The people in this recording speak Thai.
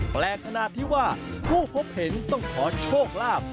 แปลกขนาดที่ว่าผู้พบเห็นต้องขอโชคลาภ